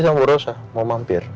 sama bu rosa mau mampir